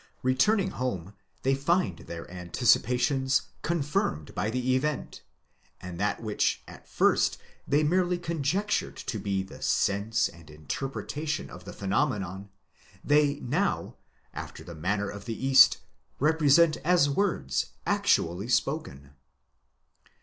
Returning home they find their anticipations confirmed by the event, and that which at first they merely conjectured to be the sense and interpretation of the phenomenon, they now, after the manner of the East, represent as words actually spoken."